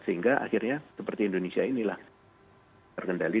sehingga akhirnya seperti indonesia inilah terkendali